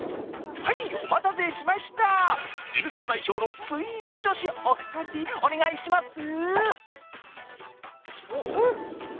お待たせしました「Ｎスタ」代表のスイーツ女史のお二人、お願いします。